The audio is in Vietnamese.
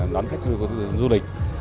đón khách du lịch